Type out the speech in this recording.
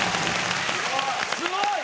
すごい！